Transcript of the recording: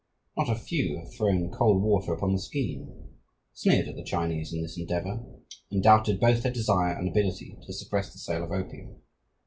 Not a few have thrown cold water upon the scheme, sneered at the Chinese in this endeavour, and doubted both their desire and ability to suppress the sale of opium.